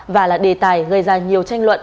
và là đề tài gây ra nhiều tranh luận